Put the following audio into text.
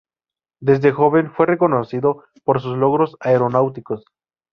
Desde joven fue reconocido por sus logros aeronáuticos.